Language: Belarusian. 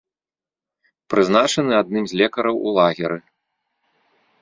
Прызначаны адным з лекараў у лагеры.